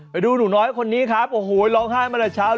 ไปดูหนูน้อยคนนี้ครับโอ้โหร้องไห้มาแต่เช้าเลย